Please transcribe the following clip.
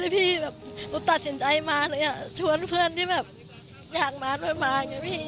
ชวนเพื่อนที่อย่างมายอย่างมา